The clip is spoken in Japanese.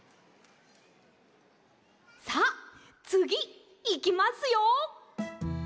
さあつぎいきますよ。